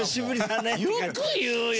よく言うよ。